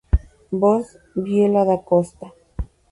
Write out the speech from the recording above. Voz: Biella Da Costa.